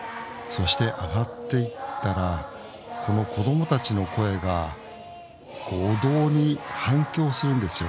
そして上がっていったらこの子供たちの声がお堂に反響するんですよね。